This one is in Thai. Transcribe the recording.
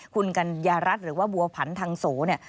คุณกัญญารัฐหรือว่าบัวผันทางโสเนี่ย